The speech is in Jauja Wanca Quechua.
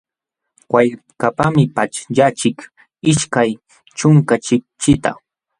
Wallpakaqmi paćhyaqchik ishkay ćhunka chipchita.